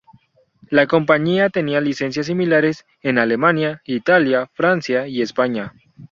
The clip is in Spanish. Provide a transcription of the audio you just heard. La compañía tenía licencias similares en Alemania, Italia, Francia, y España.